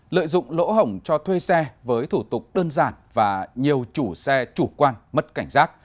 lợi dụng lỗ hổng cho thuê xe với thủ tục đơn giản và nhiều chủ xe chủ quan mất cảnh giác